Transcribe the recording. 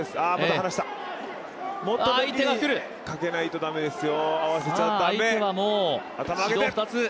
かけないとだめですよ。